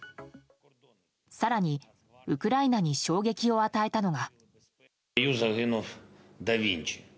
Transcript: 更にウクライナに衝撃を与えたのが。